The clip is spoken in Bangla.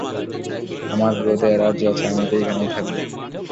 আমার রোদে এলার্জি আছে, আমি তো এখানেই থাকব।